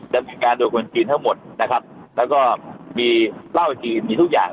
ดำเนินการโดยคนจีนทั้งหมดนะครับแล้วก็มีเหล้าจีนมีทุกอย่าง